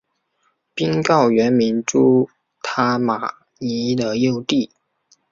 宾告原名朱他玛尼的幼弟。